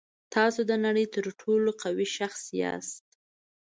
تاسو د نړۍ تر ټولو قوي شخص یاست.